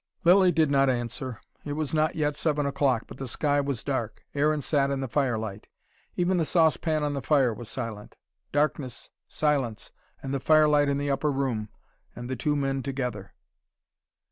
Lilly did not answer. It was not yet seven o'clock, but the sky was dark. Aaron sat in the firelight. Even the saucepan on the fire was silent. Darkness, silence, the firelight in the upper room, and the two men together.